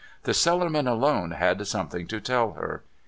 The Cellarman alone had something to tell her.